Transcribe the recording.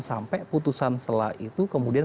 sampai putusan selah itu kemudian